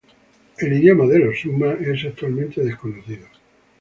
El idioma de los suma es actualmente desconocido.